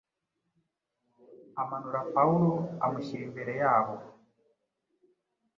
amanura Pawulo, amushyira imbere yabo.”